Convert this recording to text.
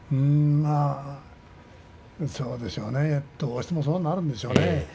そうでしょうねどうしてもそうなるでしょうね。